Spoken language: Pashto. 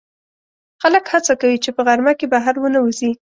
خلک هڅه کوي چې په غرمه کې بهر ونه وځي